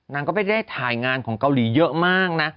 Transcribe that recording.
นางก็ไม่ได้ถ่ายงานของเกาหลีเยอะมากนะ